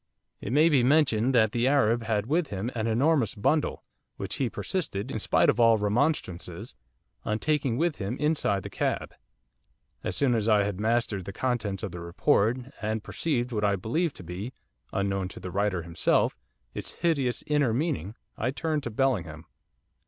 'It may be mentioned that the Arab had with him an enormous bundle, which he persisted, in spite of all remonstrances, on taking with him inside the cab.' As soon as I had mastered the contents of the report, and perceived what I believed to be unknown to the writer himself its hideous inner meaning, I turned to Bellingham.